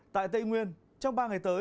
tại tây nguyên trong ba ngày tới